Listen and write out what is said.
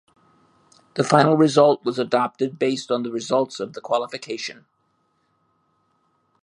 The final result was adopted based on the results of the qualification.